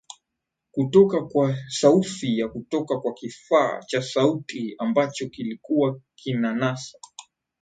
kutoka kwa saufi ya kutoka kwa kifaa cha sauti ambacho kilikuwa kinanasa